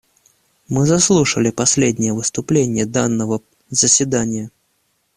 Мы заслушали последнее выступление данного заседания.